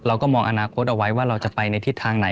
เราก็มองอนาคตเอาไว้ว่าเราจะไปในทิศทางไหน